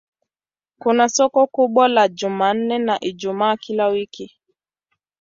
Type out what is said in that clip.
Kuna soko kubwa la Jumanne na Ijumaa kila wiki.